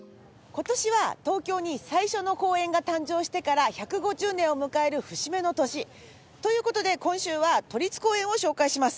今年は東京に最初の公園が誕生してから１５０年を迎える節目の年。という事で今週は都立公園を紹介します。